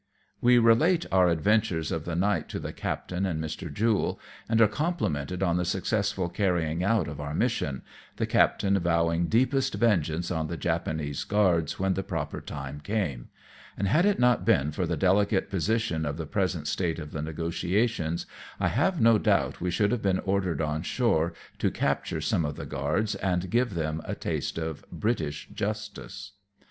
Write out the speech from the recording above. We relate our adventures of the night to the captain and Mr. Jule, and are complimented on the successful carrying out of our mission ; the captain vowing deepest vengeance on the Japanese guards when the proper time came ; and had it not been for the delicate position of the present state of the negotiations, I have no doubt we should have been ordered on shore to capture some of the guards and give them a taste of British justice.